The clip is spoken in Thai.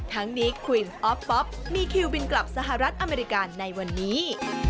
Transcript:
ทั้งนี้ควินออฟป๊อปมีคิวบินกลับสหรัฐอเมริกาในวันนี้